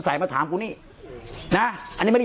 การแก้เคล็ดบางอย่างแค่นั้นเอง